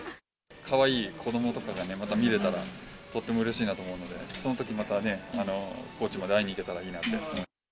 かわいい子どもとかがね、また見れたら、とってもうれしいなと思うので、そのときまたね、高知まで会いに行けたらいいなって。